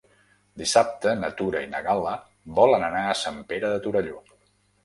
Dissabte na Tura i na Gal·la volen anar a Sant Pere de Torelló.